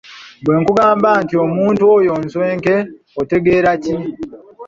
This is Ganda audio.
Bwe nkugamba nti omuntu oyo nswenke otegeera ki?